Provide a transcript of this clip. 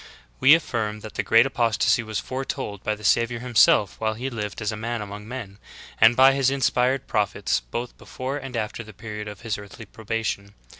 ^ 6. We affirm that the great apostasy was foretold by the Savior Himself while He lived as a Man among men, and by His inspired prophets both before and after the period of His earthly probation.